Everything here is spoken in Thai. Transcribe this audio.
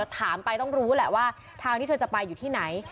ถามไปต้องรู้แหละว่าทางที่เธอจะไปอยู่ที่ไหน